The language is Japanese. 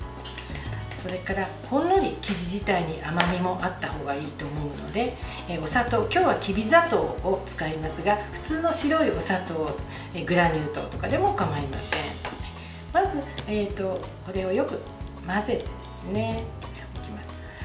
それから、ほんのり生地自体に甘みもあったほうがいいと思うのでお砂糖、今日はきび砂糖を使いますが普通の白いお砂糖グラニュー糖とかでも構いません。